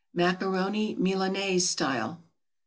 =Macaroni Milanaise Style.